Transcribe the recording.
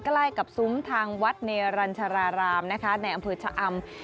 ใกล้กับซุ้มทางวัดเนรัญชารารามนะคะในอำเภอชะอำ